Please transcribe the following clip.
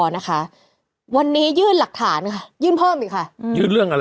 นะคะวันนี้ยื่นหลักฐานค่ะยื่นเพิ่มอีกค่ะอืมยื่นเรื่องอะไร